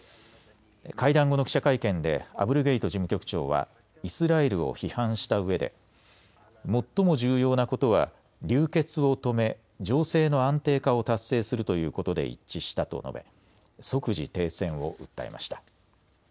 会談後の記者会見でアブルゲイト事務局長はイスラエルを批判したうえで最も重要なことは流血を止め、情勢の安定化を達成するということで一致したと述べ即時停戦を訴えました。